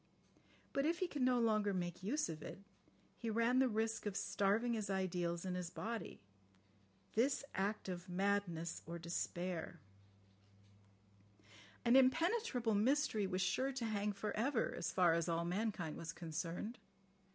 But if he could no longer make use of it, he ran the risk of starving his ideals and his body ... "This act of madness or despair." "An impenetrable mystery" was sure "to hang for ever" as far as all mankind was concerned.